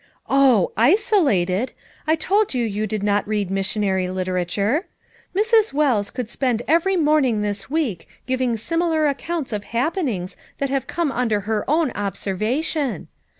"Oh, 'isolated' ! I told you that you did not read missionary literature. Mrs. Wells could spend every morning this week giving similar accounts of happenings that have come under her own observation.